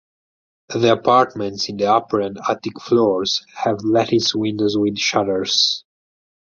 The apartments in the upper and attic floors have lattice windows with shutters.